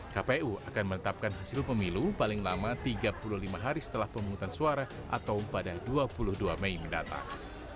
kpu akan menetapkan hasil pemilu paling lama tiga puluh lima hari setelah pemungutan suara atau pada dua puluh dua mei mendatang